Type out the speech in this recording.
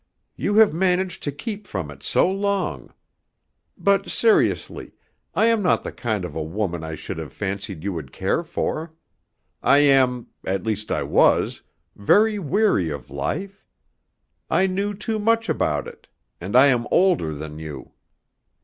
"You have managed to keep from it so long. But seriously, I am not the kind of a woman I should have fancied you would care for. I am, at least I was, very weary of life; I knew too much about it. And I am older than you."